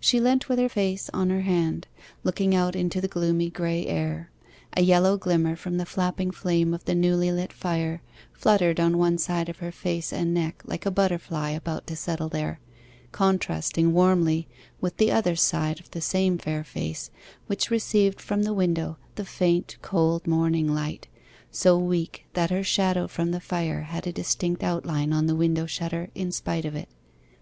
She leant with her face on her hand, looking out into the gloomy grey air. A yellow glimmer from the flapping flame of the newly lit fire fluttered on one side of her face and neck like a butterfly about to settle there, contrasting warmly with the other side of the same fair face, which received from the window the faint cold morning light, so weak that her shadow from the fire had a distinct outline on the window shutter in spite of it.